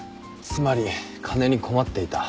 つまり金に困っていた。